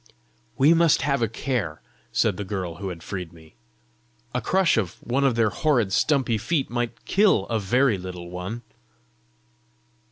"We must have a care," said the girl who had freed me; "a crush of one of their horrid stumpy feet might kill a very little one!"